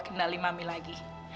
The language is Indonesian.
kendali mami lagi